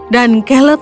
dan caleb menjelaskan